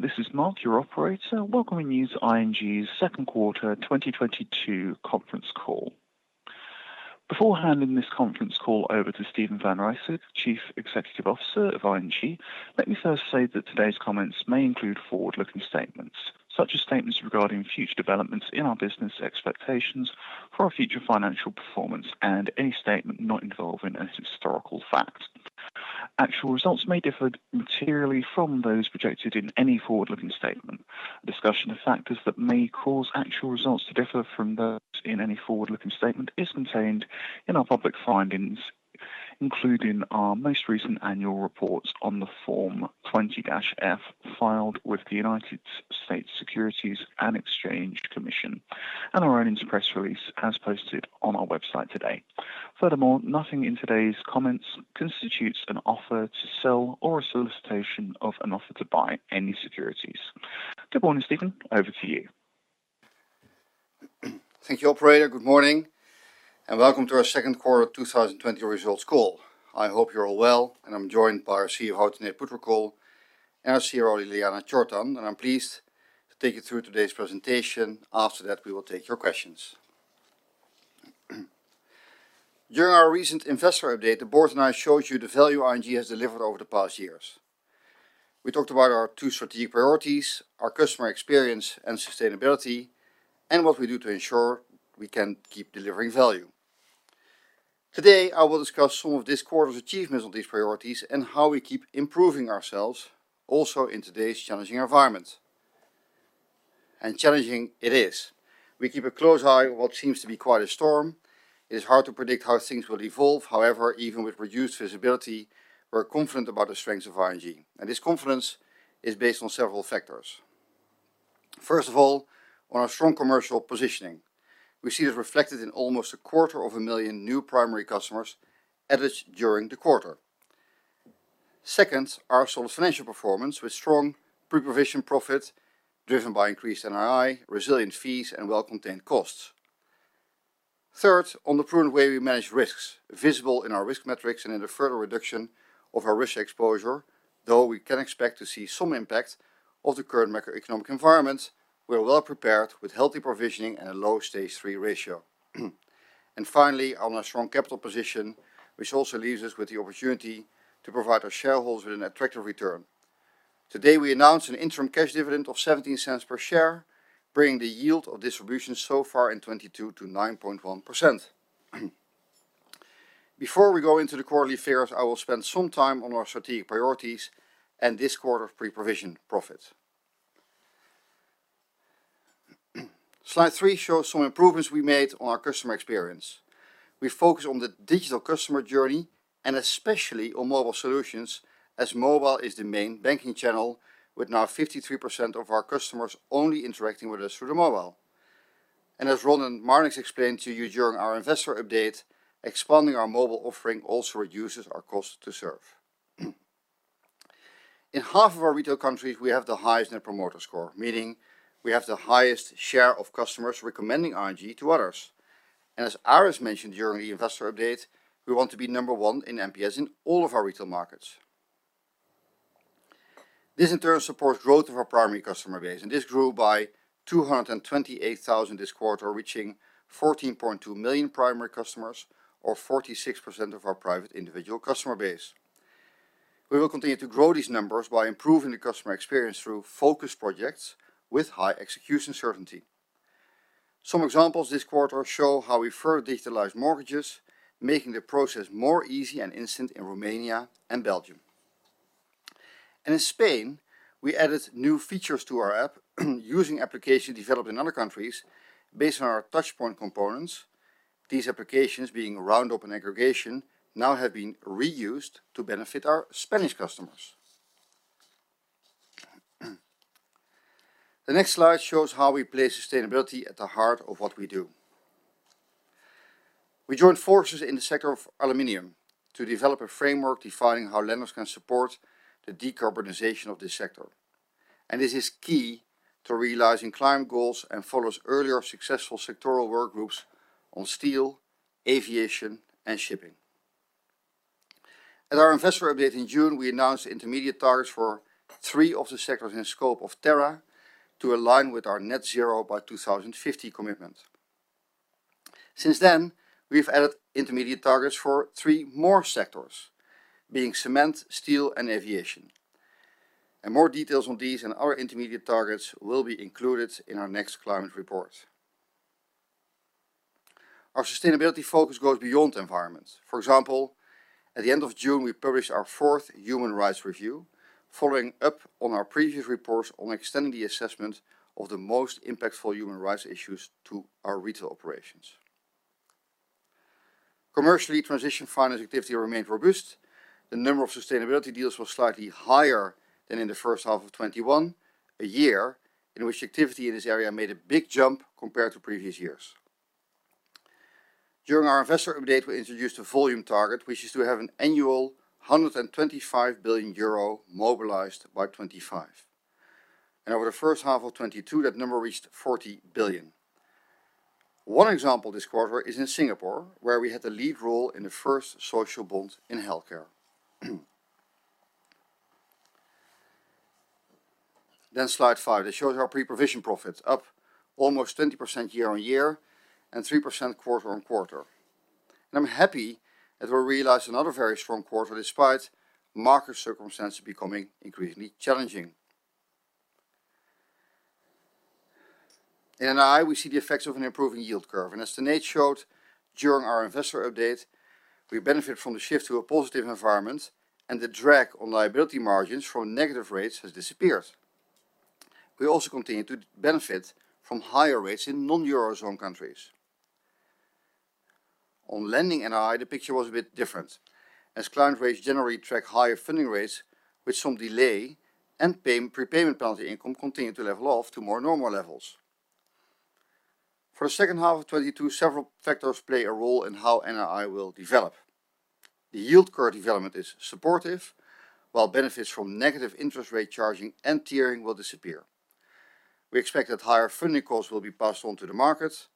Morning, this is Mark, your operator. Welcoming you to ING's second quarter 2022 conference call. Before handing this conference call over to Steven van Rijswijk, Chief Executive Officer of ING, let me first say that today's comments may include forward-looking statements, such as statements regarding future developments in our business expectations for our future financial performance and any statement not involving any historical fact. Actual results may differ materially from those projected in any forward-looking statement. A discussion of factors that may cause actual results to differ from those in any forward-looking statement is contained in our public filings, including our most recent annual reports on the Form 20-F filed with the U.S. Securities and Exchange Commission and our own press release as posted on our website today. Furthermore, nothing in today's comments constitutes an offer to sell or a solicitation of an offer to buy any securities. Good morning, Steven. Over to you. Thank you, operator. Good morning, and welcome to our second quarter 2020 results call. I hope you're all well, and I'm joined by CFO Tanate Phutrakul and CRO Ljiljana Čortan, and I'm pleased to take you through today's presentation. After that, we will take your questions. During our recent investor update, the board and I showed you the value ING has delivered over the past years. We talked about our two strategic priorities, our customer experience and sustainability, and what we do to ensure we can keep delivering value. Today, I will discuss some of this quarter's achievements on these priorities and how we keep improving ourselves also in today's challenging environment. Challenging it is. We keep a close eye on what seems to be quite a storm. It's hard to predict how things will evolve. However, even with reduced visibility, we're confident about the strengths of ING, and this confidence is based on several factors. First of all, on a strong commercial positioning. We see it reflected in almost a quarter of a million new primary customers added during the quarter. Second, our solid financial performance with strong pre-provision profit driven by increased NII, resilient fees, and well-contained costs. Third, on the prudent way we manage risks, visible in our risk metrics and in the further reduction of our risk exposure. Though we can expect to see some impact of the current macroeconomic environment, we're well-prepared with healthy provisioning and a low Stage three ratio. Finally, on a strong capital position, which also leaves us with the opportunity to provide our shareholders with an attractive return. Today, we announced an interim cash dividend of 0.17 per share, bringing the yield of distribution so far in 2022 to 9.1%. Before we go into the quarterly affairs, I will spend some time on our strategic priorities and this quarter's pre-provision profit. Slide three shows some improvements we made on our customer experience. We focus on the digital customer journey and especially on mobile solutions as mobile is the main banking channel with now 53% of our customers only interacting with us through the mobile. As Marnix van Stiphout explained to you during our investor update, expanding our mobile offering also reduces our cost to serve. In half of our retail countries, we have the highest net promoter score, meaning we have the highest share of customers recommending ING to others. As Aris mentioned during the investor update, we want to be number one in MPS in all of our retail markets. This in turn supports growth of our primary customer base, and this grew by 228,000 this quarter, reaching 14.2 million primary customers or 46% of our private individual customer base. We will continue to grow these numbers by improving the customer experience through focus projects with high execution certainty. Some examples this quarter show how we further digitalize mortgages, making the process more easy and instant in Romania and Belgium. In Spain, we added new features to our app using application developed in other countries based on our touch point components. These applications being round-up and open aggregation now have been reused to benefit our Spanish customers. The next slide shows how we place sustainability at the heart of what we do. We joined forces in the sector of aluminum to develop a framework defining how lenders can support the decarbonization of this sector. This is key to realizing climate goals and follows earlier successful sectoral work groups on steel, aviation, and shipping. At our investor update in June, we announced intermediate targets for three of the sectors in scope of Terra to align with our net zero by 2050 commitment. Since then, we've added intermediate targets for three more sectors, being cement, steel, and aviation. More details on these and our intermediate targets will be included in our next climate report. Our sustainability focus goes beyond the environment. For example, at the end of June, we published our fourth human rights review, following up on our previous reports on extending the assessment of the most impactful human rights issues to our retail operations. Commercially, transition finance activity remained robust. The number of sustainability deals was slightly higher than in the first half of 2021, a year in which activity in this area made a big jump compared to previous years. During our investor update, we introduced a volume target, which is to have an annual 125 billion euro mobilized by 2025. Over the first half of 2022, that number reached 40 billion. One example this quarter is in Singapore, where we had the lead role in the first social bond in healthcare. Slide five that shows our pre-provision profit up almost 20% year-on-year and 3% quarter-on-quarter. I'm happy that we realized another very strong quarter despite market circumstances becoming increasingly challenging. In NII, we see the effects of an improving yield curve. As Nate showed during our investor update, we benefit from the shift to a positive environment, and the drag on liability margins from negative rates has disappeared. We also continue to benefit from higher rates in non-euro zone countries. On lending NII, the picture was a bit different as client rates generally track higher funding rates with some delay and prepayment penalty income continued to level off to more normal levels. For the second half of 2022, several factors play a role in how NII will develop. The yield curve development is supportive, while benefits from negative interest rate charging and tiering will disappear. We expect that higher funding costs will be passed on to the market.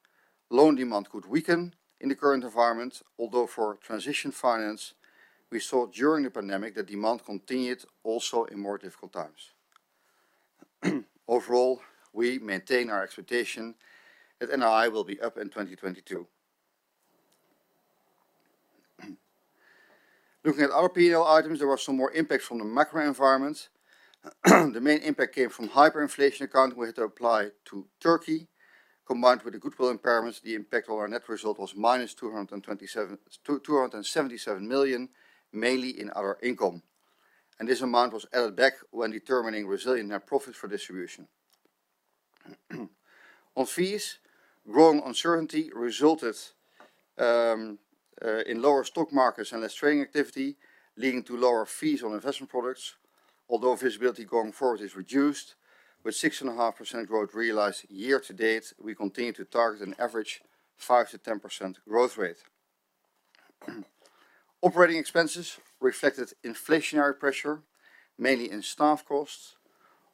Loan demand could weaken in the current environment, although for transition finance, we saw during the pandemic that demand continued also in more difficult times. Overall, we maintain our expectation that NII will be up in 2022. Looking at other P&L items, there were some more impacts from the macro environment. The main impact came from hyperinflation accounting we had to apply to Turkey. Combined with the goodwill impairments, the impact on our net result was -277 million, mainly in other income, and this amount was added back when determining resilient net profit for distribution. On fees, growing uncertainty resulted in lower stock markets and less trading activity, leading to lower fees on investment products. Although visibility going forward is reduced, with 6.5% growth realized year-to-date, we continue to target an average 5%-10% growth rate. Operating expenses reflected inflationary pressure, mainly in staff costs.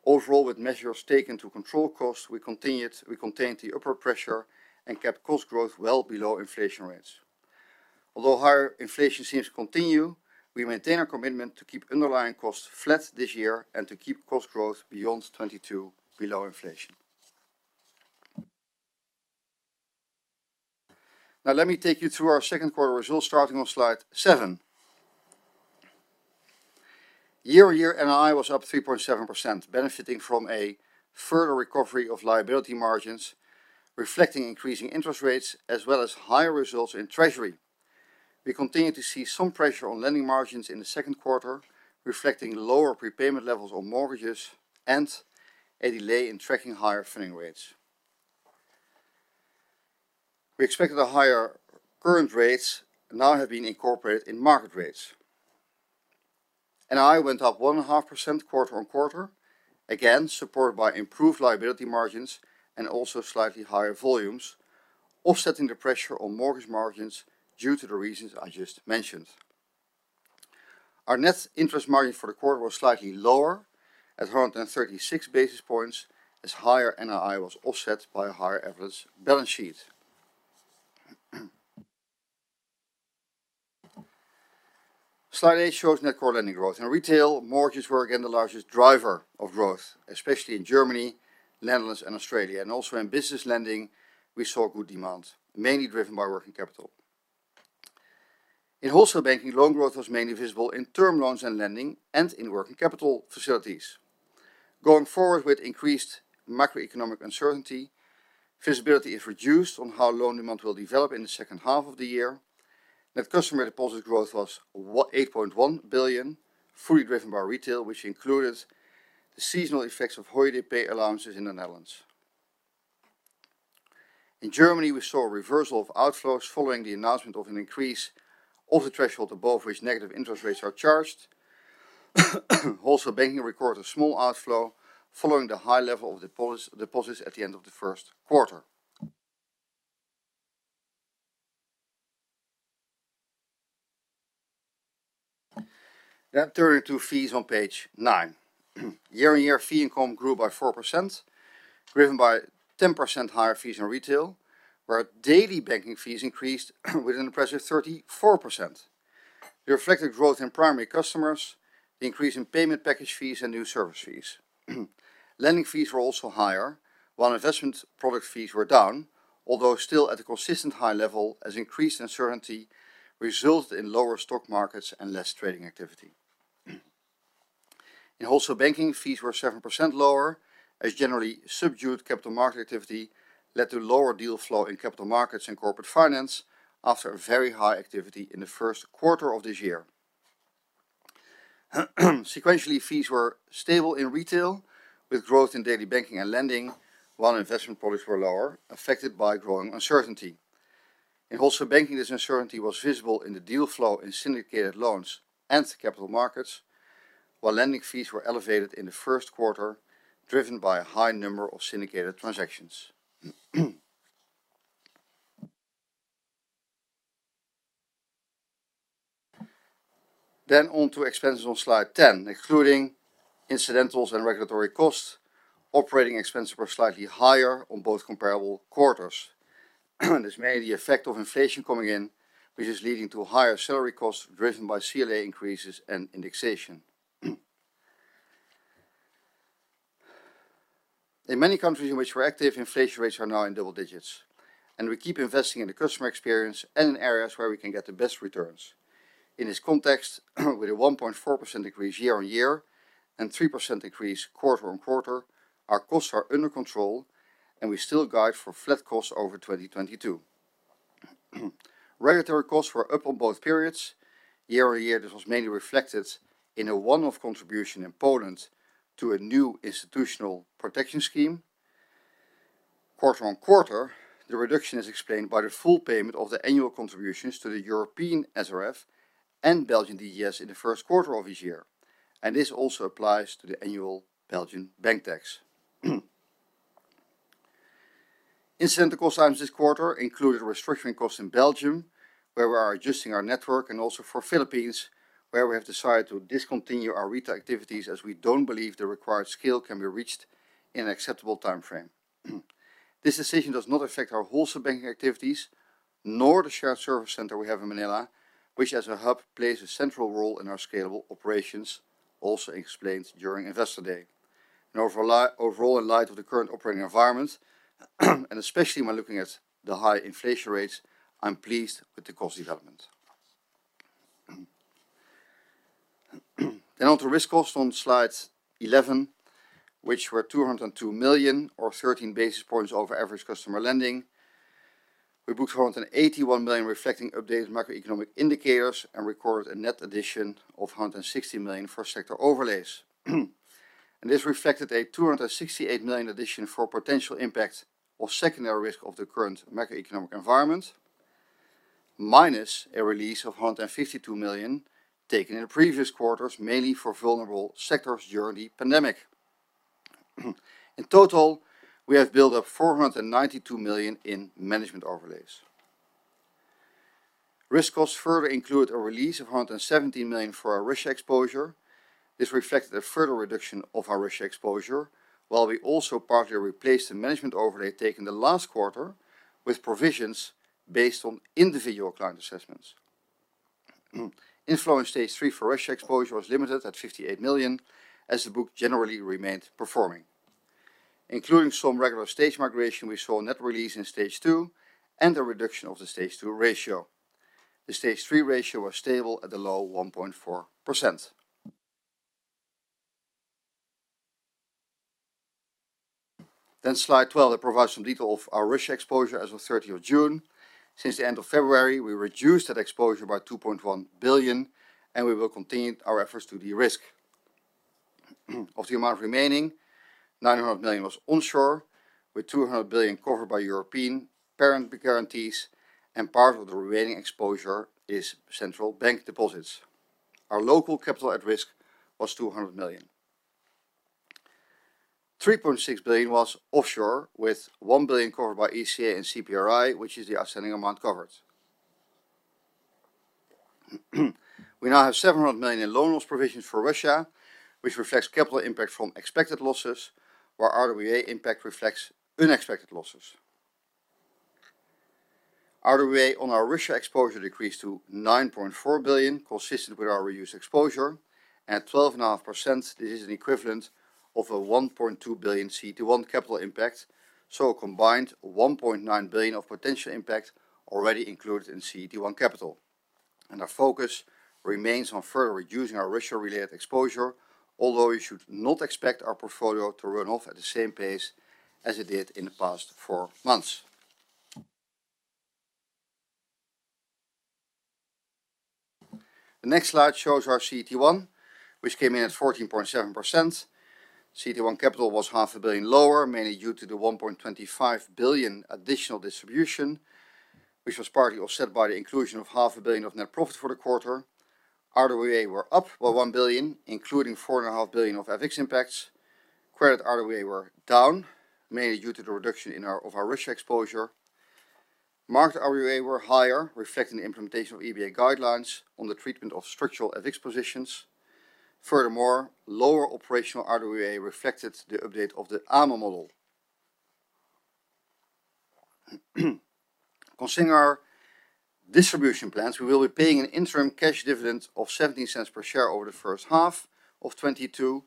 Overall, with measures taken to control costs, we contained the upward pressure and kept cost growth well below inflation rates. Although higher inflation seems to continue, we maintain our commitment to keep underlying costs flat this year and to keep cost growth beyond 2022 below inflation. Now let me take you through our second quarter results starting on slide seven. Year-on-year, NII was up 3.7%, benefiting from a further recovery of liability margins, reflecting increasing interest rates as well as higher results in treasury. We continued to see some pressure on lending margins in the second quarter, reflecting lower prepayment levels on mortgages and a delay in tracking higher funding rates. We expected the higher current rates now have been incorporated in market rates. NII went up 1.5% quarter-on-quarter, again supported by improved liability margins and also slightly higher volumes, offsetting the pressure on mortgage margins due to the reasons I just mentioned. Our net interest margin for the quarter was slightly lower at 136 basis points, as higher NII was offset by a higher average balance sheet. Slide eight shows net core lending growth. In retail, mortgages were again the largest driver of growth, especially in Germany, Netherlands, and Australia. Also in business lending, we saw good demand, mainly driven by working capital. In wholesale banking, loan growth was mainly visible in term loans and lending and in working capital facilities. Going forward with increased macroeconomic uncertainty, visibility is reduced on how loan demand will develop in the second half of the year. Net customer deposit growth was 8.1 billion, fully driven by retail, which included the seasonal effects of holiday pay allowances in the Netherlands. In Germany, we saw a reversal of outflows following the announcement of an increase of the threshold above which negative interest rates are charged. Wholesale banking recorded a small outflow following the high level of deposits at the end of the first quarter. Now turning to fees on page nine. Year-on-year, fee income grew by 4%, driven by 10% higher fees in retail, where daily banking fees increased with an impressive 34%. It reflected growth in primary customers, the increase in payment package fees, and new service fees. Lending fees were also higher, while investment product fees were down, although still at a consistent high level as increased uncertainty resulted in lower stock markets and less trading activity. In wholesale banking, fees were 7% lower as generally subdued capital market activity led to lower deal flow in capital markets and corporate finance after a very high activity in the first quarter of this year. Sequentially, fees were stable in retail with growth in daily banking and lending, while investment products were lower, affected by growing uncertainty. In wholesale banking, this uncertainty was visible in the deal flow in syndicated loans and capital markets, while lending fees were elevated in the first quarter, driven by a high number of syndicated transactions. On to expenses on slide 10, including incidentals and regulatory costs. Operating expenses were slightly higher on both comparable quarters. This may be the effect of inflation coming in, which is leading to higher salary costs driven by CLA increases and indexation. In many countries in which we're active, inflation rates are now in double digits, and we keep investing in the customer experience and in areas where we can get the best returns. In this context, with a 1.4% decrease year-on-year and 3% increase quarter-on-quarter, our costs are under control and we still guide for flat costs over 2022. Regulatory costs were up on both periods. Year-on-year, this was mainly reflected in a one-off contribution in Poland to a new institutional protection scheme. Quarter-on-quarter, the reduction is explained by the full payment of the annual contributions to the European SRF and Belgian DGS in the first quarter of this year, and this also applies to the annual Belgian bank tax. Incident cost items this quarter included restructuring costs in Belgium, where we are adjusting our network, and also for Philippines, where we have decided to discontinue our retail activities as we don't believe the required scale can be reached in an acceptable timeframe. This decision does not affect our wholesale banking activities, nor the shared service center we have in Manila, which as a hub, plays a central role in our scalable operations, also explained during Investor Day. Overall, in light of the current operating environment, and especially when looking at the high inflation rates, I'm pleased with the cost development. On to risk costs on slide 11, which were 202 million or 13 basis points over average customer lending. We booked 481 million reflecting updated macroeconomic indicators and recorded a net addition of 160 million for sector overlays. This reflected a 268 million addition for potential impact of secondary risk of the current macroeconomic environment, minus a release of 152 million taken in previous quarters, mainly for vulnerable sectors during the pandemic. In total, we have built up 492 million in management overlays. Risk costs further include a release of 117 million for our Russia exposure. This reflected a further reduction of our Russia exposure, while we also partly replaced the management overlay taken the last quarter with provisions based on individual client assessments. Inflow in stage three for Russia exposure was limited at 58 million, as the book generally remained performing. Including some regular stage migration, we saw a net release in stage two and a reduction of the stage two ratio. The stage three ratio was stable at a low 1.4%. Slide 12 that provides some detail of our Russia exposure as of the 3rd of June. Since the end of February, we reduced that exposure by 2.1 billion, and we will continue our efforts to derisk. Of the amount remaining, 900 million was onshore, with 200 million covered by European parent guarantees and part of the remaining exposure is central bank deposits. Our local capital at risk was 200 million. 3.6 billion was offshore, with 1 billion covered by ECA and CPRI, which is the outstanding amount covered. We now have 700 million in loan loss provisions for Russia, which reflects capital impact from expected losses, while RWA impact reflects unexpected losses. RWA on our Russia exposure decreased to 9.4 billion, consistent with our reduced exposure. At 12.5%, this is an equivalent of a 1.2 billion CET1 capital impact, so a combined 1.9 billion of potential impact already included in CET1 capital. Our focus remains on further reducing our Russia-related exposure, although you should not expect our portfolio to run off at the same pace as it did in the past four months. The next slide shows our CET1, which came in at 14.7%. CET1 capital was half a billion lower, mainly due to the 1.25 billion additional distribution, which was partly offset by the inclusion of half a billion of net profit for the quarter. RWA were up by 1 billion, including 4.5 billion of VaR impacts. Credit RWA were down, mainly due to the reduction in our Russia exposure. Market RWA were higher, reflecting the implementation of EBA guidelines on the treatment of structural VaR positions. Furthermore, lower operational RWA reflected the update of the AMA model. Considering our distribution plans, we will be paying an interim cash dividend of 0.17 per share over the first half of 2022.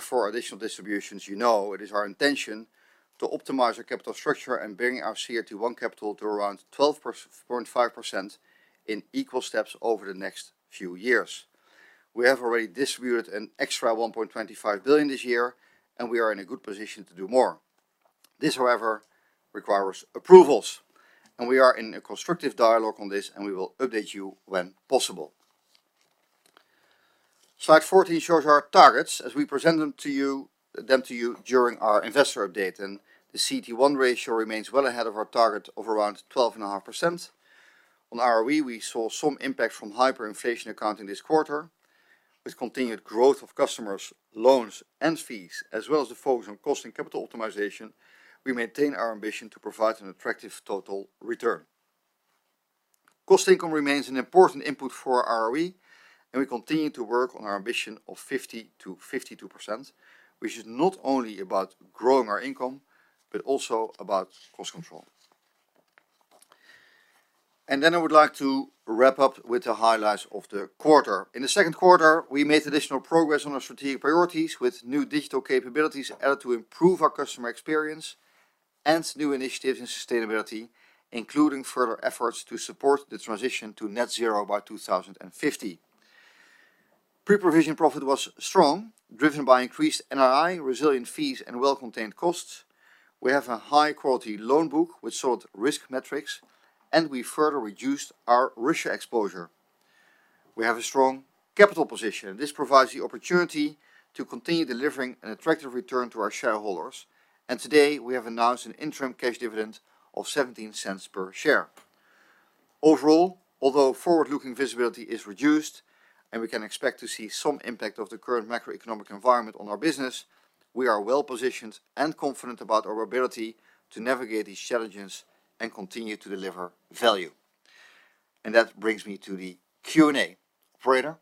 For additional distributions, you know it is our intention to optimize our capital structure and bring our CET1 capital to around 12.5% in equal steps over the next few years. We have already distributed an extra 1.25 billion this year, and we are in a good position to do more. This, however, requires approvals and we are in a constructive dialogue on this and we will update you when possible. Slide 14 shows our targets as we present them to you during our investor update, and the CET1 ratio remains well ahead of our target of around 12.5%. On ROE, we saw some impact from hyperinflation accounting this quarter. With continued growth of customers, loans, and fees, as well as the focus on cost and capital optimization, we maintain our ambition to provide an attractive total return. Cost income remains an important input for our ROE, and we continue to work on our ambition of 50%-52%, which is not only about growing our income, but also about cost control. I would like to wrap up with the highlights of the quarter. In the second quarter, we made additional progress on our strategic priorities with new digital capabilities added to improve our customer experience and new initiatives in sustainability, including further efforts to support the transition to net zero by 2050. Pre-provision profit was strong, driven by increased NII, resilient fees, and well-contained costs. We have a high-quality loan book with solid risk metrics, and we further reduced our Russia exposure. We have a strong capital position, and this provides the opportunity to continue delivering an attractive return to our shareholders. Today, we have announced an interim cash dividend of 0.17 per share. Overall, although forward-looking visibility is reduced and we can expect to see some impact of the current macroeconomic environment on our business, we are well-positioned and confident about our ability to navigate these challenges and continue to deliver value. That brings me to the Q&A. Operator?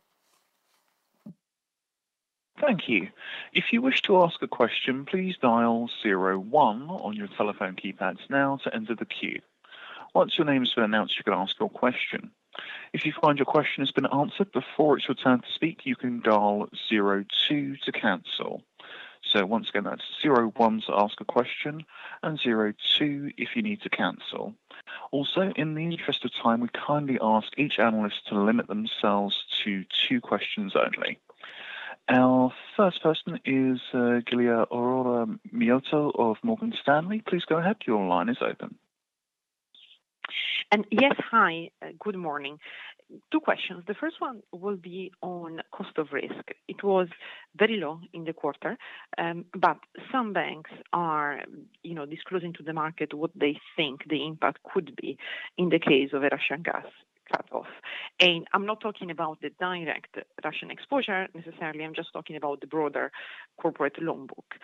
Thank you. If you wish to ask a question, please dial zero one on your telephone keypads now to enter the queue. Once your name has been announced, you can ask your question. If you find your question has been answered before it's your turn to speak, you can dial zero two to cancel. Once again, that's zero one to ask a question and zero two if you need to cancel. Also, in the interest of time, we kindly ask each analyst to limit themselves to two questions only. Our first person is Giulia Aurora Miotto of Morgan Stanley. Please go ahead. Your line is open. Yes, hi. Good morning. Two questions. The first one will be on cost of risk. It was very low in the quarter, but some banks are, you know, disclosing to the market what they think the impact could be in the case of a Russian gas cut off. I'm not talking about the direct Russian exposure necessarily, I'm just talking about the broader corporate loan book.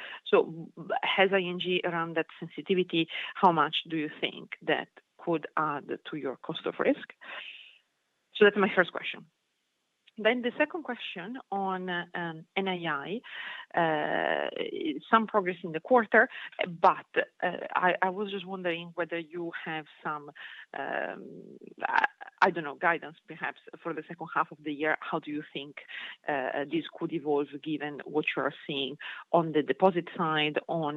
Has ING run that sensitivity, how much do you think that could add to your cost of risk? That's my first question. The second question on NII. Some progress in the quarter, but I was just wondering whether you have some, I don't know, guidance perhaps for the second half of the year. How do you think this could evolve given what you are seeing on the deposit side, on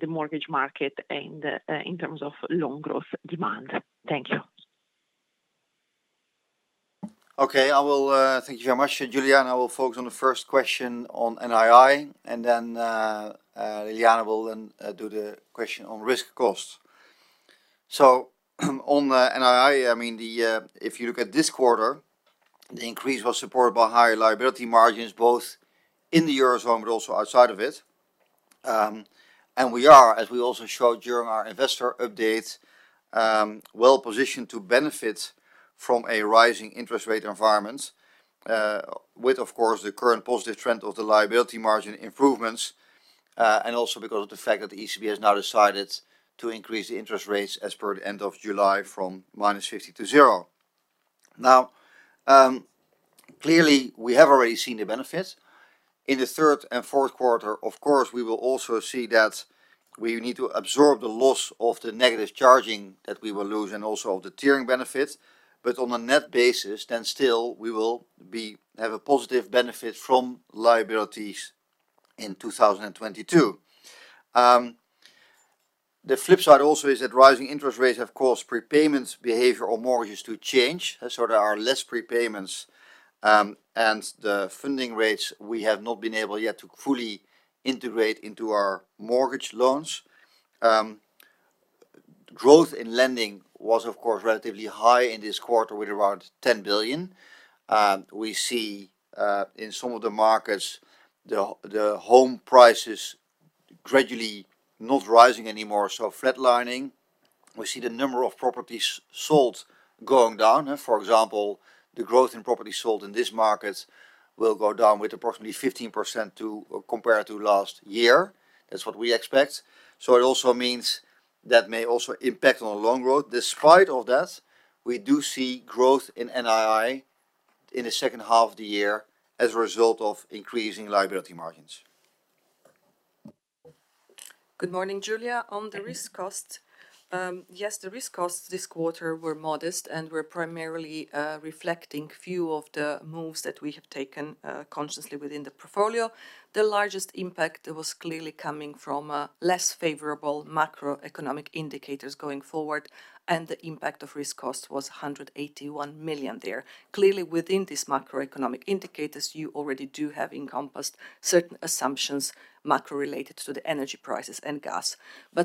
the mortgage market and in terms of loan growth demand? Thank you. Thank you very much, Giulia, and I will focus on the first question on NII, and then Ljiljana will then do the question on risk cost. On the NII, I mean, if you look at this quarter, the increase was supported by higher liability margins, both in the Eurozone but also outside of it. We are, as we also showed during our investor update, well-positioned to benefit from a rising interest rate environment, with of course, the current positive trend of the liability margin improvements, and also because of the fact that the ECB has now decided to increase the interest rates as per the end of July from -50-0. Now, clearly we have already seen the benefits. In the third and fourth quarter, of course, we will also see that we need to absorb the loss of the negative carry that we will lose and also of the tiering benefits. On a net basis, then still we will have a positive benefit from liabilities in 2022. The flip side also is that rising interest rates have caused prepayment behavior of mortgages to change. There sort of are less prepayments, and the funding rates we have not been able yet to fully integrate into our mortgage loans. Growth in lending was of course relatively high in this quarter with around 10 billion. We see in some of the markets the home prices gradually not rising anymore, so flatlining. We see the number of properties sold going down. For example, the growth in properties sold in this market will go down with approximately 15% compared to last year. That's what we expect. It also means that may also impact on the loan growth. Despite that, we do see growth in NII in the second half of the year as a result of increasing liability margins. Good morning, Giulia. On the risk cost, yes, the risk costs this quarter were modest and were primarily reflecting few of the moves that we have taken consciously within the portfolio. The largest impact was clearly coming from a less favorable macroeconomic indicators going forward, and the impact of risk cost was 181 million there. Clearly, within this macroeconomic indicators, you already do have encompassed certain assumptions, macro related to the energy prices and gas.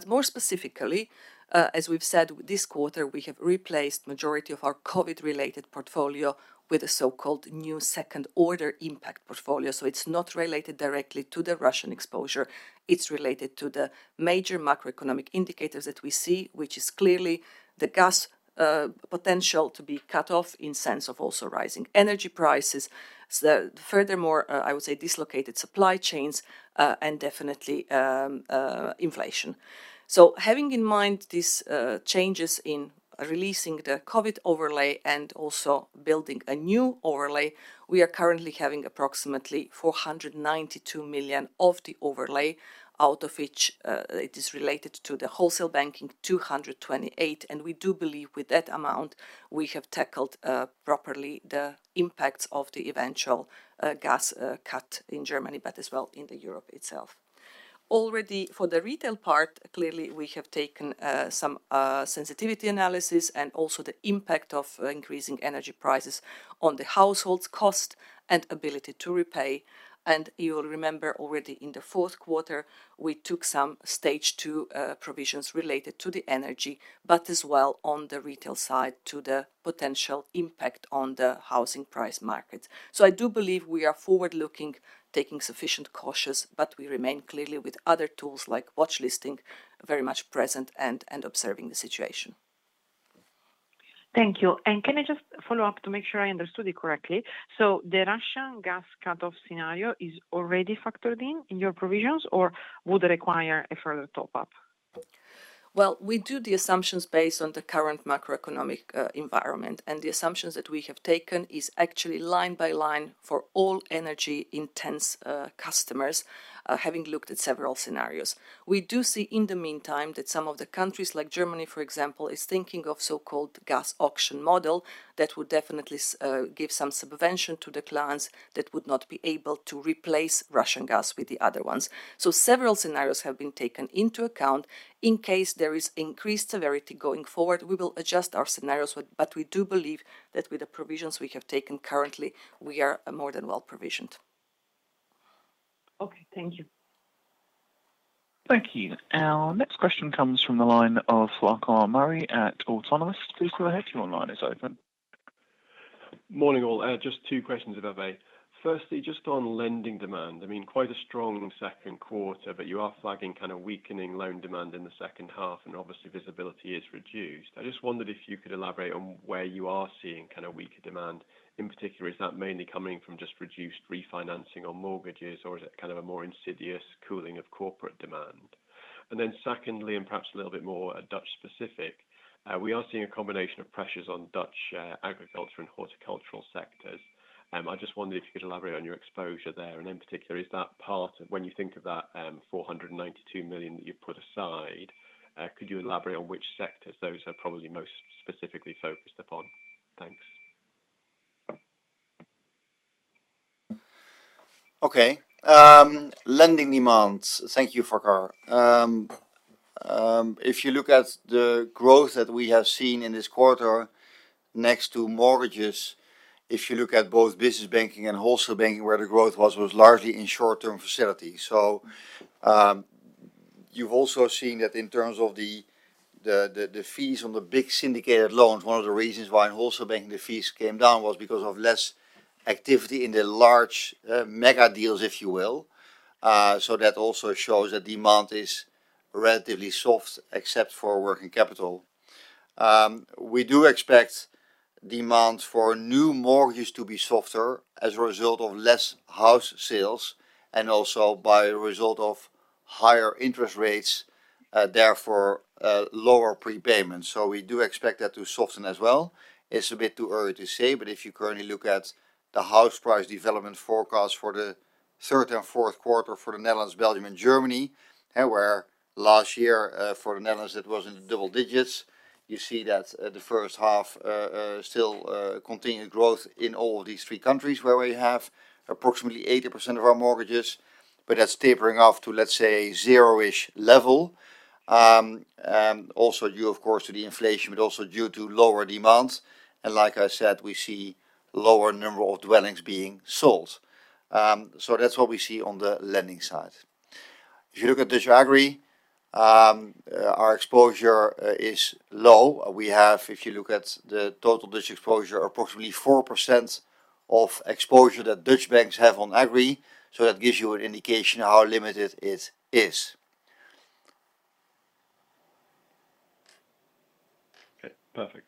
More specifically, as we've said, this quarter, we have replaced majority of our COVID-related portfolio with the so-called new second order impact portfolio. It's not related directly to the Russian exposure, it's related to the major macroeconomic indicators that we see, which is clearly the gas, potential to be cut off in sense of also rising energy prices. Furthermore, I would say dislocated supply chains, and definitely, inflation. Having in mind these changes in releasing the COVID overlay and also building a new overlay, we are currently having approximately 492 million of the overlay, out of which, it is related to the wholesale banking, 228 million. We do believe with that amount, we have tackled, properly the impacts of the eventual, gas, cut in Germany, but as well in Europe itself. Already for the retail part, clearly, we have taken, some, sensitivity analysis and also the impact of increasing energy prices on the household's cost and ability to repay. You'll remember already in the fourth quarter, we took some stage two provisions related to the energy, but as well on the retail side to the potential impact on the housing price market. I do believe we are forward-looking, taking sufficient cautious, but we remain clearly with other tools like watch listing, very much present and observing the situation. Thank you. Can I just follow up to make sure I understood it correctly? The Russian gas cut-off scenario is already factored in in your provisions or would require a further top-up? Well, we do the assumptions based on the current macroeconomic environment. The assumptions that we have taken is actually line by line for all energy-intensive customers, having looked at several scenarios. We do see in the meantime that some of the countries like Germany, for example, is thinking of so-called gas auction model that would definitely give some subvention to the clients that would not be able to replace Russian gas with the other ones. Several scenarios have been taken into account. In case there is increased severity going forward, we will adjust our scenarios, but we do believe that with the provisions we have taken currently, we are more than well-provisioned. Okay. Thank you. Thank you. Our next question comes from the line of Farquhar Murray at Autonomous Research. Please go ahead. Your line is open. Morning, all. Just two questions if I may. Firstly, just on lending demand. I mean, quite a strong second quarter, but you are flagging weakening loan demand in the second half, and obviously visibility is reduced. I just wondered if you could elaborate on where you are seeing weaker demand. In particular, is that mainly coming from just reduced refinancing on mortgages, or is it a more insidious cooling of corporate demand? Secondly, and perhaps a little bit more Dutch specific, we are seeing a combination of pressures on Dutch agriculture and horticultural sectors. I just wondered if you could elaborate on your exposure there. In particular, is that part of when you think of that 492 million that you've put aside, could you elaborate on which sectors those are probably most specifically focused upon? Thanks. Okay. Lending demands. Thank you, Farquhar. If you look at the growth that we have seen in this quarter next to mortgages, if you look at both business banking and wholesale banking, where the growth was largely in short-term facilities. You've also seen that in terms of the fees on the big syndicated loans, one of the reasons why in wholesale banking the fees came down was because of less activity in the large mega deals, if you will. That also shows that demand is relatively soft, except for working capital. We do expect demand for new mortgages to be softer as a result of less house sales and also by a result of higher interest rates, therefore lower prepayments. We do expect that to soften as well. It's a bit too early to say, but if you currently look at the house price development forecast for the third and fourth quarter for the Netherlands, Belgium, and Germany, and where last year for the Netherlands, it was in the double digits. You see that the first half still continued growth in all of these three countries where we have approximately 80% of our mortgages, but that's tapering off to, let's say, zero-ish level. Also due, of course, to the inflation, but also due to lower demands. Like I said, we see lower number of dwellings being sold. That's what we see on the lending side. If you look at Dutch agri, our exposure is low. We have, if you look at the total Dutch exposure, approximately 4% of exposure that Dutch banks have on agri. That gives you an indication how limited it is. Okay, perfect.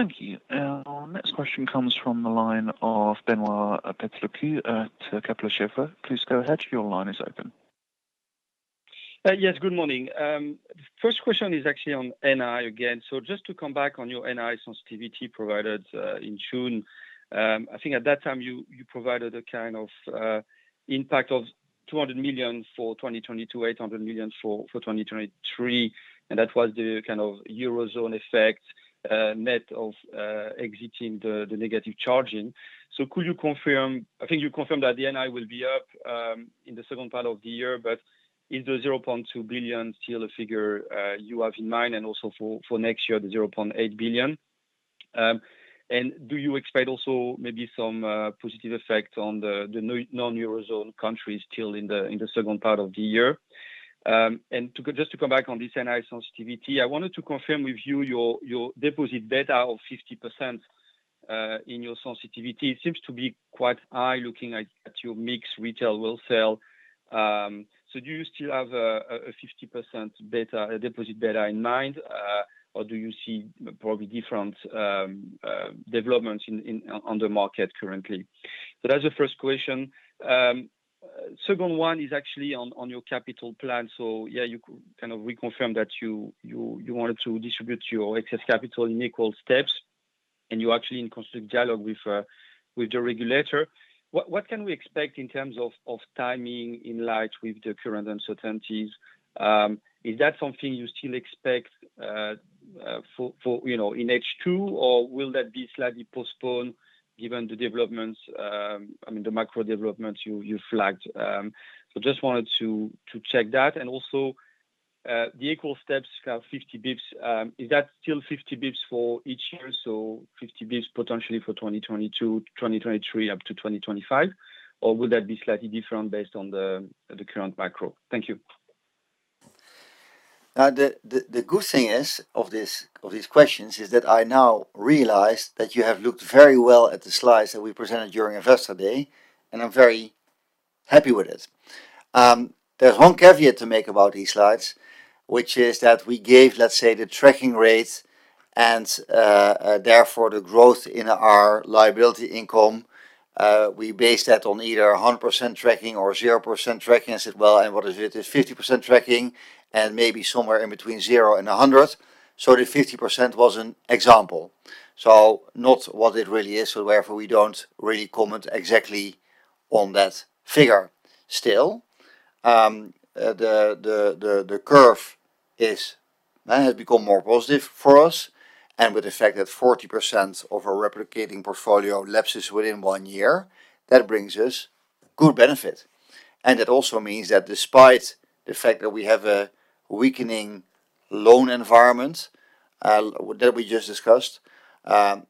Thank you. Our next question comes from the line of Benoît Pétrarque at Kepler Cheuvreux. Please go ahead. Your line is open. Yes, good morning. First question is actually on NII again. Just to come back on your NII sensitivity provided in June. I think at that time you provided a kind of impact of 200 million for 2020 to 800 million for 2023, and that was the kind of Eurozone effect net of exiting the negative carry. Could you confirm? I think you confirmed that the NII will be up in the second part of the year, but is the 0.2 billion still a figure you have in mind and also for next year, the 0.8 billion? Do you expect also maybe some positive effect on the non-Eurozone countries still in the second part of the year? Just to come back on this NII sensitivity, I wanted to confirm with you your deposit beta of 50% in your sensitivity. It seems to be quite high looking at your mix, retail wholesale. Do you still have a 50% deposit beta in mind or do you see probably different developments in the market currently? That's the first question. Second one is actually on your capital plan. You kind of reconfirm that you wanted to distribute your excess capital in equal steps and you're actually in constant dialogue with the regulator. What can we expect in terms of timing in light of the current uncertainties? Is that something you still expect for you know in H2 or will that be slightly postponed given the developments, I mean the macro developments you flagged? Just wanted to check that. Also, the equal steps have 50 basis points. Is that still 50 basis points for each year, so 50 basis points potentially for 2022, 2023 up to 2025 or will that be slightly different based on the current macro? Thank you. The good thing is about this, about these questions is that I now realize that you have looked very well at the slides that we presented during our first day, and I'm very happy with it. There's one caveat to make about these slides, which is that we gave, let's say, the tracking rate and, therefore the growth in our liability income. We based that on either 100% tracking or 0% tracking and said, well, and what if it is 50% tracking and maybe somewhere in between 0% and 100%. The 50% was an example. Not what it really is. Therefore, we don't really comment exactly on that figure still. The curve now has become more positive for us and with the fact that 40% of our replicating portfolio lapses within one year, that brings us good benefit. It also means that despite the fact that we have a weakening loan environment that we just discussed, and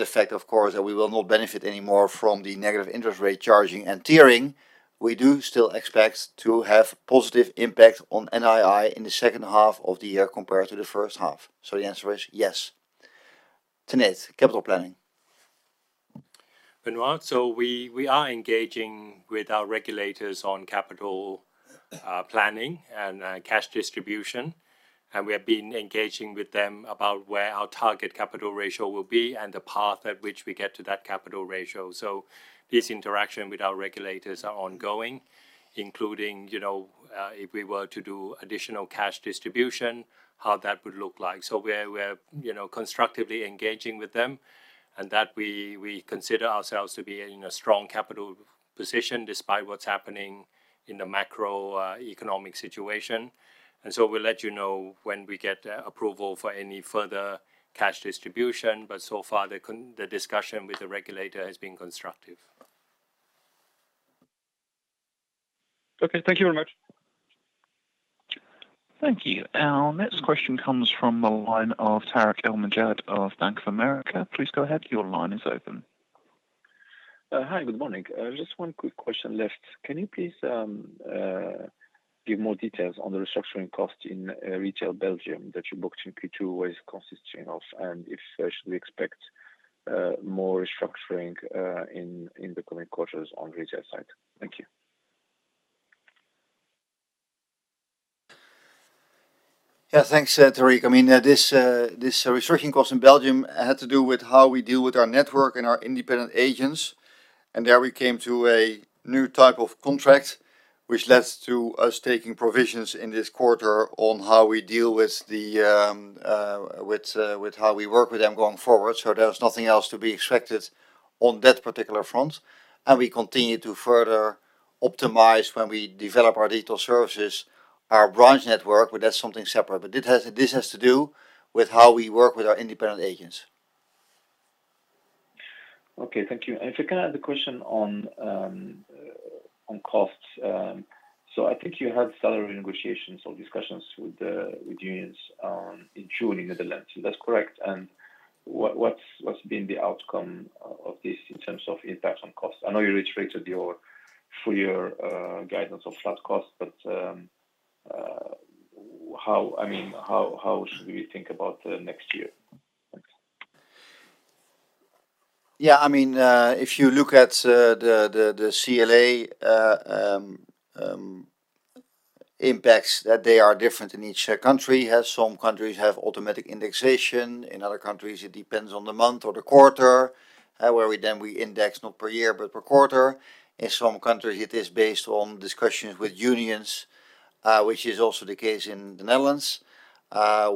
the fact, of course, that we will not benefit anymore from the negative interest rate charging and tiering, we do still expect to have positive impact on NII in the second half of the year compared to the first half. The answer is yes. Tanate, capital planning. Benoît, we are engaging with our regulators on capital planning and cash distribution. We have been engaging with them about where our target capital ratio will be and the path at which we get to that capital ratio. This interaction with our regulators are ongoing, including you know if we were to do additional cash distribution, how that would look like. We're constructively engaging with them and that we consider ourselves to be in a strong capital position despite what's happening in the macro economic situation. We'll let you know when we get approval for any further cash distribution. So far, the discussion with the regulator has been constructive. Okay. Thank you very much. Thank you. Our next question comes from the line of Tarik El Mejjad of Bank of America. Please go ahead. Your line is open. Hi. Good morning. Just one quick question left. Can you please give more details on the restructuring costs in retail Belgium that you booked in Q2, what it's consisting of, and if should we expect more restructuring in the coming quarters on retail side? Thank you. Yeah. Thanks, Tarik. I mean, this restructuring cost in Belgium had to do with how we deal with our network and our independent agents. There we came to a new type of contract, which led to us taking provisions in this quarter on how we work with them going forward. There's nothing else to be expected on that particular front. We continue to further optimize when we develop our digital services, our branch network, but that's something separate. This has to do with how we work with our independent agents. Okay. Thank you. If I can add a question on costs. I think you had salary negotiations or discussions with unions in June in Netherlands. Is that correct? What’s been the outcome of this in terms of impact on costs? I know you reiterated your full year guidance of flat costs, but how, I mean, how should we think about next year? Thanks. Yeah. I mean, if you look at the CLA impacts, that they are different in each country. Some countries have automatic indexation. In other countries, it depends on the month or the quarter, where we then index not per year, but per quarter. In some countries, it is based on discussions with unions, which is also the case in the Netherlands.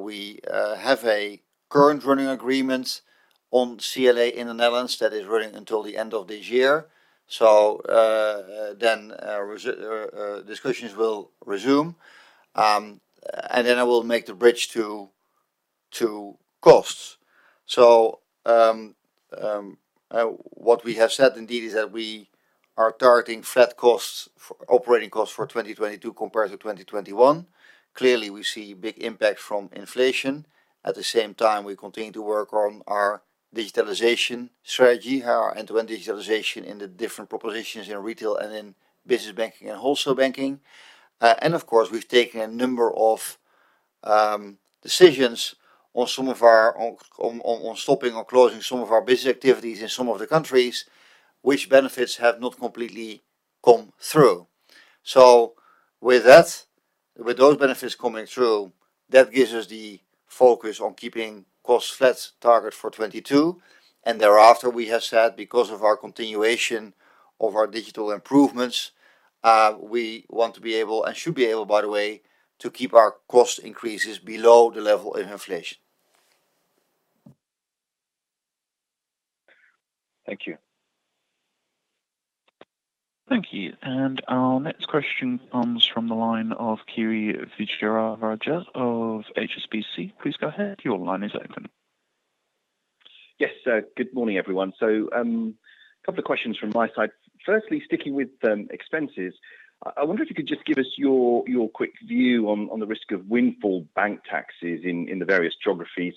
We have a current running agreement on CLA in the Netherlands that is running until the end of this year. Discussions will resume. I will make the bridge to costs. What we have said indeed is that we are targeting flat operating costs for 2022 compared to 2021. Clearly, we see big impact from inflation. At the same time, we continue to work on our digitalization strategy, our end-to-end digitalization in the different propositions in retail and in business banking and wholesale banking. Of course, we've taken a number of decisions on stopping or closing some of our business activities in some of the countries which benefits have not completely come through. With that, with those benefits coming through, that gives us the focus on keeping costs flat target for 2022. Thereafter, we have said because of our continuation of our digital improvements, we want to be able and should be able, by the way, to keep our cost increases below the level of inflation. Thank you. Thank you. Our next question comes from the line of Kiri Vijayarajah of HSBC. Please go ahead. Your line is open. Yes. Good morning, everyone. A couple of questions from my side. Firstly, sticking with expenses, I wonder if you could just give us your quick view on the risk of windfall bank taxes in the various geographies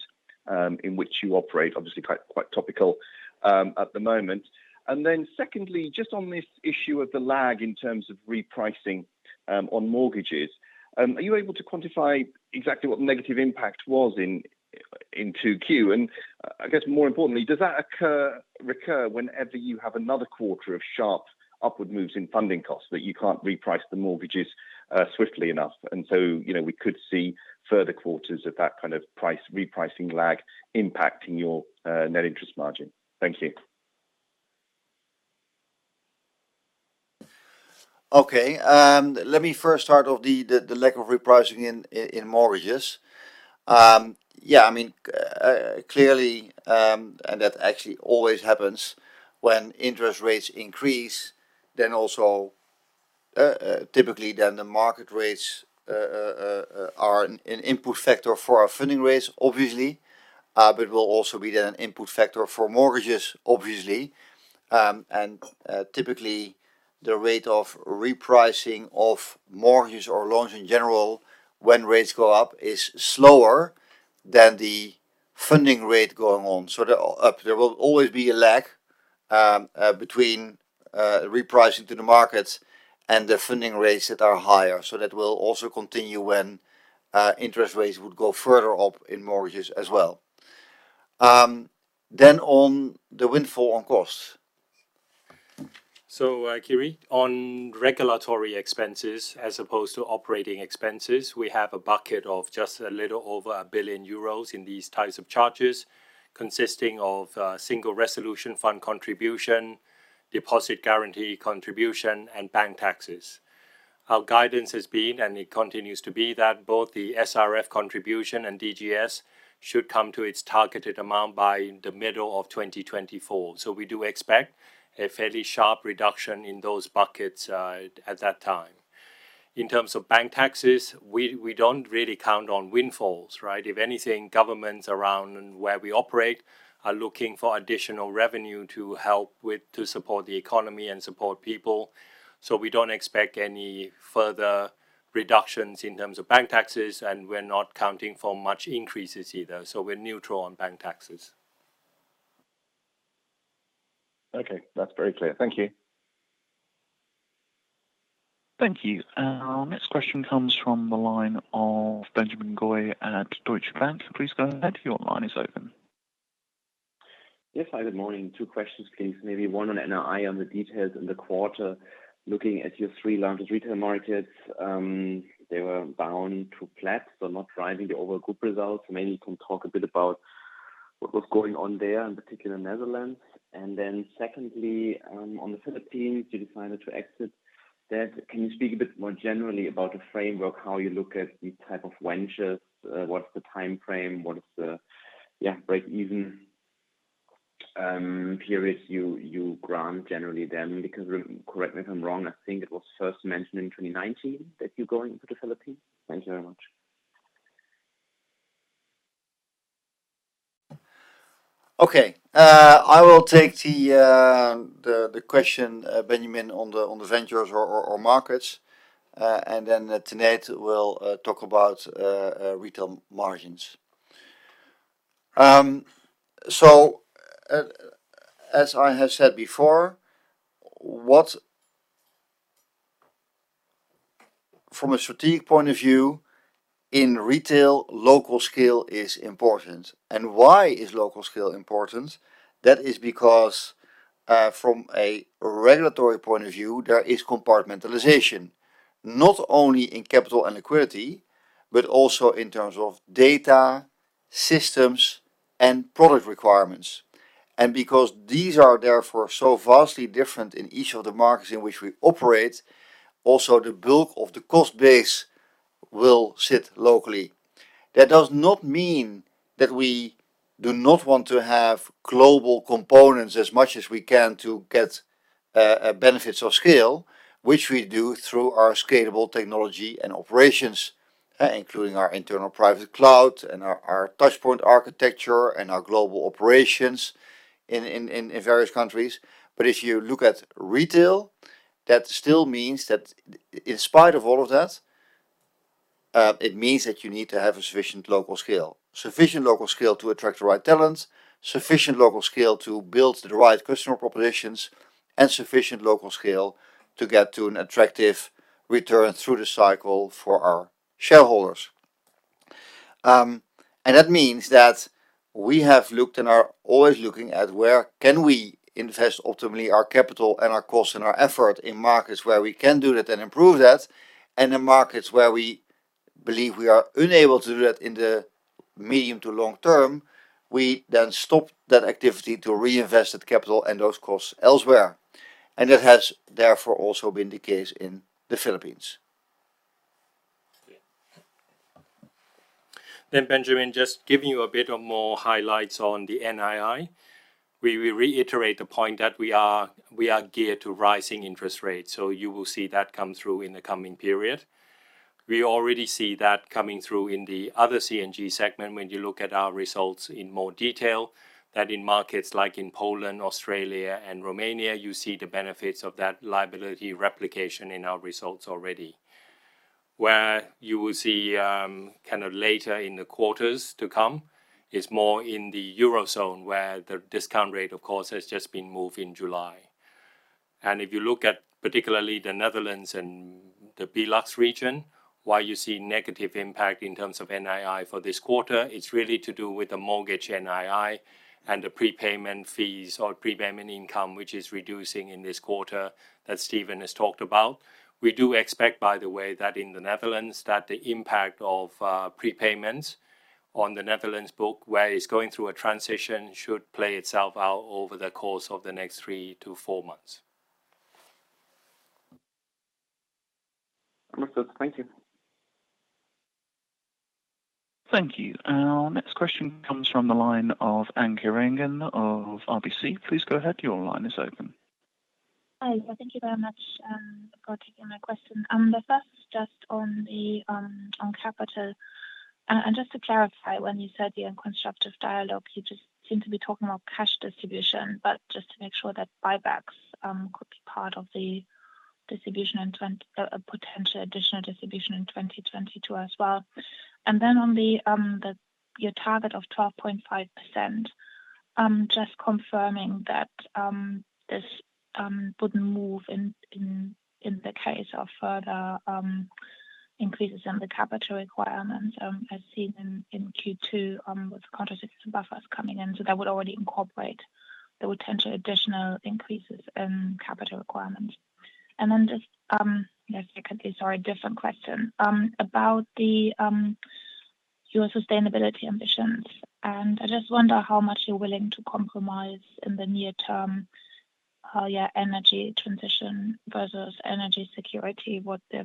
in which you operate. Obviously, quite topical at the moment. Then secondly, just on this issue of the lag in terms of repricing on mortgages, are you able to quantify exactly what the negative impact was in 2Q? I guess more importantly, does that recur whenever you have another quarter of sharp upward moves in funding costs that you can't reprice the mortgages swiftly enough? You know, we could see further quarters of that kind of repricing lag impacting your net interest margin. Thank you. Okay. Let me first start off the lack of repricing in mortgages. Yeah, I mean, clearly, that actually always happens when interest rates increase, then also, typically then the market rates are an input factor for our funding rates, obviously, but will also be then an input factor for mortgages, obviously. Typically, the rate of repricing of mortgages or loans in general when rates go up is slower than the funding rate going up. There will always be a lag between repricing to the markets and the funding rates that are higher. That will also continue when interest rates would go further up in mortgages as well. On the windfall on costs. Kiri, on regulatory expenses as opposed to operating expenses, we have a bucket of just a little over 1 billion euros in these types of charges, consisting of Single Resolution Fund contribution, Deposit Guarantee contribution, and bank taxes. Our guidance has been, and it continues to be, that both the SRF contribution and DGS should come to its targeted amount by the middle of 2024. We do expect a fairly sharp reduction in those buckets at that time. In terms of bank taxes, we don't really count on windfalls, right? If anything, governments around where we operate are looking for additional revenue to help to support the economy and support people. We don't expect any further reductions in terms of bank taxes, and we're not counting on much increases either. We're neutral on bank taxes. Okay. That's very clear. Thank you. Thank you. Our next question comes from the line of Benjamin Goy at Deutsche Bank. Please go ahead. Your line is open. Yes. Hi, good morning. Two questions, please. Maybe one on NII on the details in the quarter. Looking at your three largest retail markets, they were down to flat, so not driving the overall group results. Maybe you can talk a bit about what was going on there, in particular Netherlands. Secondly, on the Philippines, you decided to exit that. Can you speak a bit more generally about the framework, how you look at these type of ventures? What's the time frame? What is the break even periods you grant generally then, because correct me if I'm wrong, I think it was first mentioned in 2019 that you're going into the Philippines? Thank you very much. I will take the question, Benjamin, on the ventures or markets. Then Tanate will talk about retail margins. As I have said before, from a strategic point of view, in retail, local scale is important. Why is local scale important? That is because, from a regulatory point of view, there is compartmentalization. Not only in capital and liquidity, but also in terms of data, systems, and product requirements, and because these are therefore so vastly different in each of the markets in which we operate, also the bulk of the cost base will sit locally. That does not mean that we do not want to have global components as much as we can to get benefits of scale, which we do through our scalable technology and operations, including our internal private cloud and our touchpoint architecture and our global operations in various countries. If you look at retail, that still means that in spite of all of that, it means that you need to have a sufficient local scale. Sufficient local scale to attract the right talent, sufficient local scale to build the right customer propositions, and sufficient local scale to get to an attractive return through the cycle for our shareholders. That means that we have looked and are always looking at where can we invest optimally our capital and our costs and our effort in markets where we can do that and improve that, and in markets where we believe we are unable to do that in the medium to long term, we then stop that activity to reinvest that capital and those costs elsewhere. That has therefore also been the case in the Philippines. Benjamin, just giving you a bit more highlights on the NII. We reiterate the point that we are geared to rising interest rates, so you will see that come through in the coming period. We already see that coming through in the other C&G segment when you look at our results in more detail, that in markets like in Poland, Australia and Romania, you see the benefits of that liability replication in our results already. Where you will see kind of later in the quarters to come is more in the Eurozone, where the discount rate, of course, has just been moved in July. If you look at particularly the Netherlands and the Belux region, why you see negative impact in terms of NII for this quarter, it's really to do with the mortgage NII and the prepayment fees or prepayment income, which is reducing in this quarter that Steven has talked about. We do expect, by the way, that in the Netherlands, that the impact of prepayments on the Netherlands book, where it's going through a transition, should play itself out over the course of the next 3-4 months. Understood. Thank you. Thank you. Our next question comes from the line of Anke Reingen of RBC. Please go ahead. Your line is open. Hi. Thank you very much for taking my question. The first just on the capital. Just to clarify, when you said the unconstructive dialogue, you just seem to be talking about cash distribution, but just to make sure that buybacks could be part of the distribution in potential additional distribution in 2022 as well. Then on the your target of 12.5%, just confirming that this wouldn't move in the case of further increases in the capital requirements, as seen in Q2, with countercyclical buffers coming in. So that would already incorporate the potential additional increases in capital requirements. Then just the second, these are a different question, about the your sustainability ambitions. I just wonder how much you're willing to compromise in the near term, your energy transition versus energy security, what your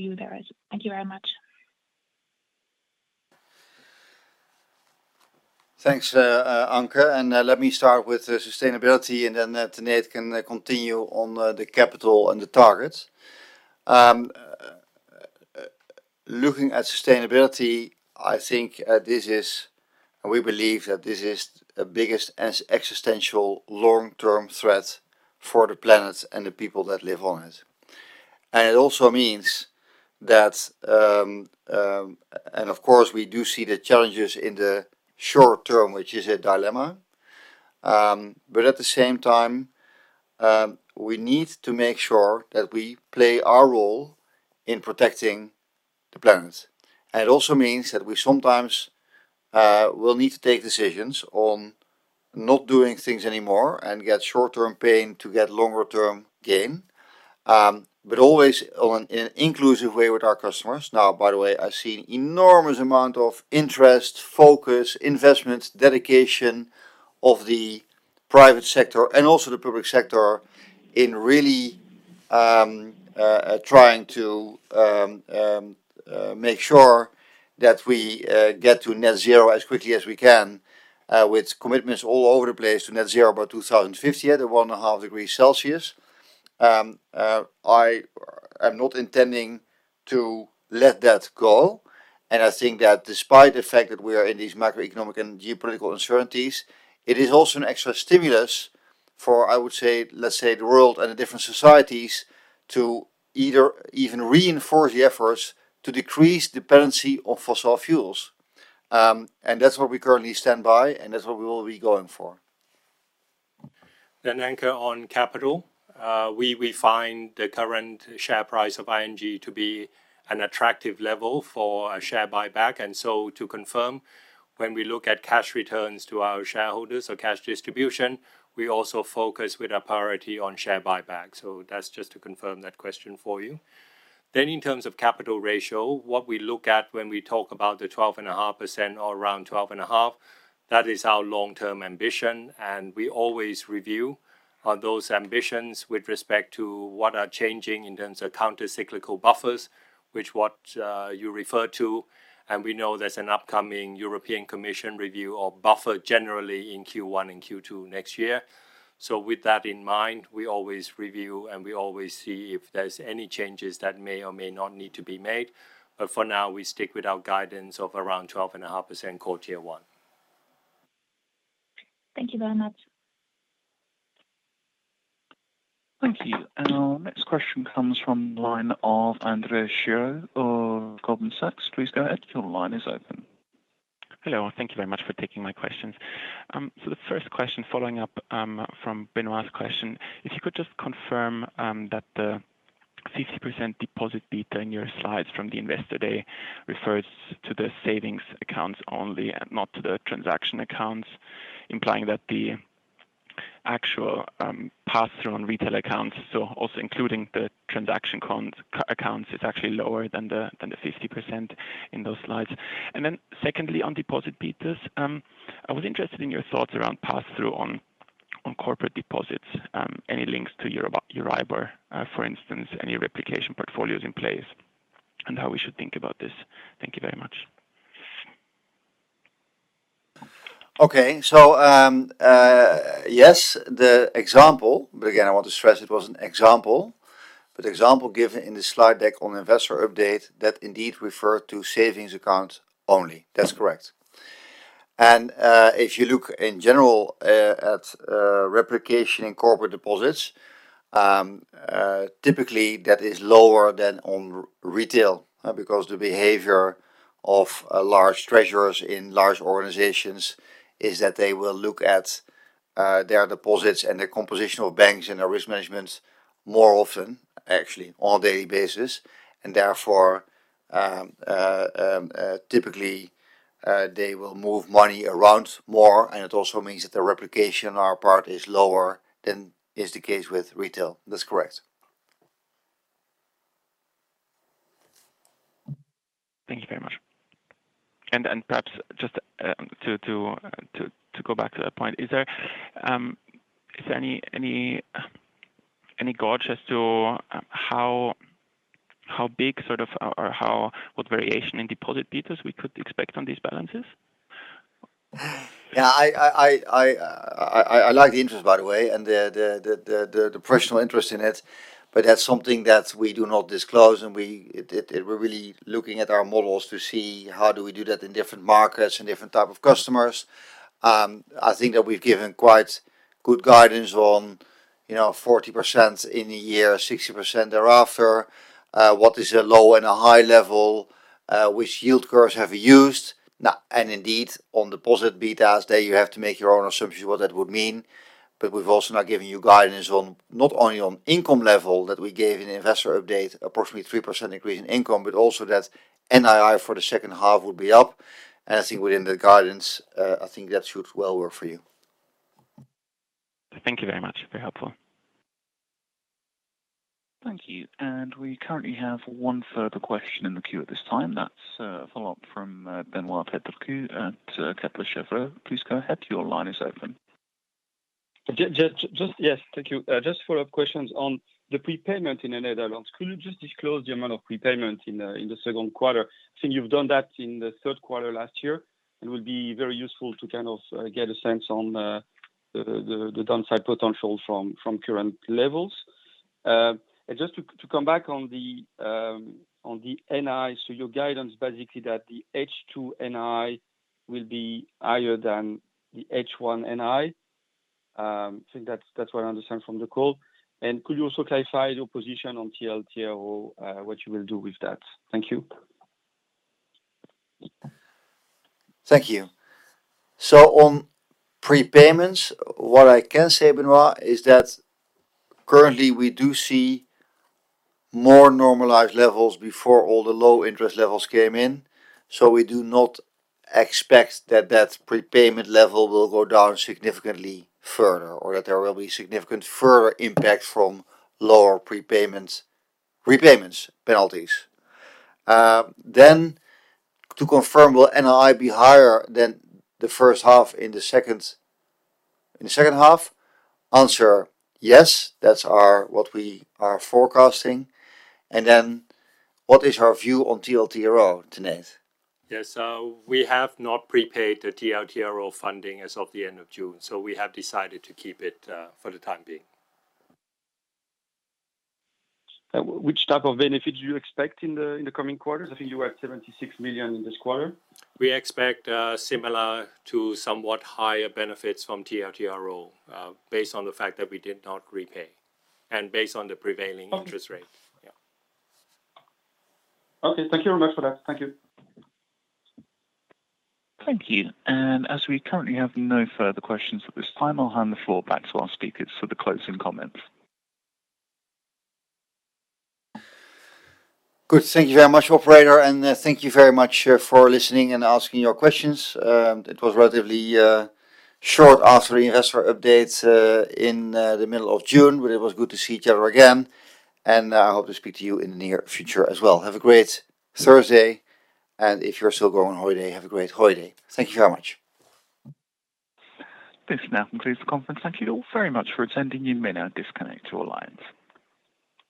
view there is. Thank you very much. Thanks, Anke, and let me start with the sustainability and then Tanate can continue on the capital and the targets. Looking at sustainability, we believe that this is the biggest existential long-term threat for the planet and the people that live on it. It also means that. Of course, we do see the challenges in the short term, which is a dilemma. At the same time, we need to make sure that we play our role in protecting the planet. It also means that we sometimes will need to take decisions on not doing things anymore and get short-term pain to get longer-term gain, but always on an inclusive way with our customers. Now, by the way, I see enormous amount of interest, focus, investment, dedication of the private sector and also the public sector in really trying to make sure that we get to net zero as quickly as we can with commitments all over the place to net zero by 2050 at 1.5 degrees Celsius. I am not intending to let that go. I think that despite the fact that we are in these macroeconomic and geopolitical uncertainties, it is also an extra stimulus for, I would say, let's say, the world and the different societies to either even reinforce the efforts to decrease dependency on fossil fuels. That's what we currently stand by, and that's what we will be going for. Anke, on capital, we find the current share price of ING to be an attractive level for a share buyback. To confirm, when we look at cash returns to our shareholders or cash distribution, we also focus with our priority on share buyback. That's just to confirm that question for you. In terms of capital ratio, what we look at when we talk about the 12.5% or around 12.5, that is our long-term ambition, and we always review those ambitions with respect to what are changing in terms of counter cyclical buffers, which what you refer to. We know there's an upcoming European Commission review of buffer generally in Q1 and Q2 next year. With that in mind, we always review, and we always see if there's any changes that may or may not need to be made. For now, we stick with our guidance of around 12.5% core Tier 1. Thank you very much. Thank you. Our next question comes from the line of Andreas Scheriau of Goldman Sachs. Please go ahead. Your line is open. Hello. Thank you very much for taking my questions. So the first question following up from Benoît's question, if you could just confirm that the 60% deposit beta in your slides from the investor day refers to the savings accounts only and not to the transaction accounts, implying that the actual pass-through on retail accounts, so also including the transaction accounts, is actually lower than the 60% in those slides. Secondly, on deposit betas, I was interested in your thoughts around pass-through on corporate deposits, any links to Euribor, for instance, any replication portfolios in place and how we should think about this. Thank you very much. Okay. Yes, the example, but again, I want to stress it was an example, but the example given in the slide deck on investor update that indeed refer to savings account only. That's correct. If you look in general at replication in corporate deposits, typically that is lower than on retail, because the behavior of large treasurers in large organizations is that they will look at their deposits and the composition of banks and their risk management more often, actually on a daily basis. Therefore, typically, they will move money around more, and it also means that the replication on our part is lower than is the case with retail. That's correct. Thank you very much. Perhaps just to go back to that point, is there any gauge as to how big sort of or what variation in deposit betas we could expect on these balances? Yeah, I like the interest, by the way, and the personal interest in it, but that's something that we do not disclose, and that we're really looking at our models to see how do we do that in different markets and different type of customers. I think that we've given quite good guidance on, you know, 40% in a year, 60% thereafter, what is a low and a high level, which yield curves have used. Now, indeed, on deposit betas, there you have to make your own assumptions what that would mean. But we've also now given you guidance on not only on income level that we gave in investor update, approximately 3% increase in income, but also that NII for the second half will be up. I think within the guidance, I think that should well work for you. Thank you very much. Very helpful. Thank you. We currently have one further question in the queue at this time. That's a follow-up from Benoît Pétrarque at Kepler Cheuvreux. Please go ahead. Your line is open. Yes. Thank you. Just follow-up questions on the prepayment in the Netherlands. Could you just disclose the amount of prepayment in the second quarter? I think you've done that in the third quarter last year. It would be very useful to kind of get a sense on the downside potential from current levels. Just to come back on the NII. So your guidance basically that the H2 NII will be higher than the H1 NII. I think that's what I understand from the call. Could you also clarify your position on TLTRO, what you will do with that? Thank you. Thank you. On prepayments, what I can say, Benoît, is that currently we do see more normalized levels before all the low interest levels came in. We do not expect that prepayment level will go down significantly further or that there will be significant further impact from lower prepayments, repayments penalties. To confirm, will NII be higher than the first half in the second half? Answer, yes. That's our what we are forecasting. What is our view on TLTRO, Tanate. Yes. We have not prepaid the TLTRO funding as of the end of June, so we have decided to keep it for the time being. Which type of benefits do you expect in the coming quarters? I think you have 76 million in this quarter. We expect, similar to somewhat higher benefits from TLTRO, based on the fact that we did not repay and based on the prevailing interest rate. Yeah. Okay. Thank you very much for that. Thank you. Thank you. As we currently have no further questions at this time, I'll hand the floor back to our speakers for the closing comments. Good. Thank you very much, operator, and thank you very much for listening and asking your questions. It was relatively short after the investor update in the middle of June, but it was good to see each other again, and I hope to speak to you in the near future as well. Have a great Thursday. If you're still going holiday, have a great holiday. Thank you very much. This now concludes the conference. Thank you all very much for attending. You may now disconnect your lines.